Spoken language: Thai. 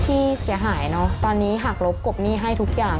ที่เสียหายเนอะตอนนี้หักลบกบหนี้ให้ทุกอย่าง